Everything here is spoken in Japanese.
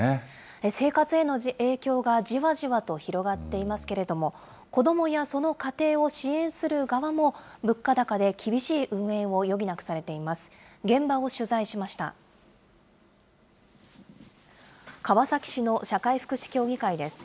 生活への影響がじわじわと広がっていますけれども、子どもやその家庭を支援する側も物価高で厳しい運営を余儀なくされています。